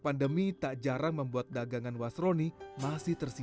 pada masa pandemi lima belas porsi dua puluh porsi